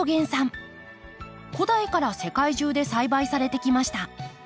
古代から世界中で栽培されてきました。